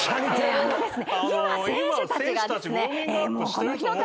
あのですね。